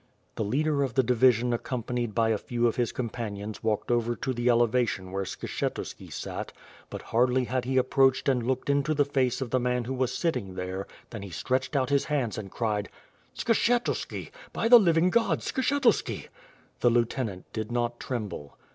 The leader of the division accompanied by a few of his companions walked over to the elevation where Skshetuski sat, but hardly had he approached and looked mto the face of the man who was sitting there than he stretched out his hands and cried: "Skshetuski! By the living God, Skshetuski!" The lieutenant did not tremble.